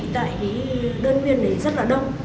tại đơn nguyên này rất là đông